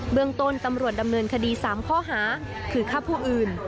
เมืองต้นตำรวจดำเนินคดี๓ข้อหาคือฆ่าผู้อื่น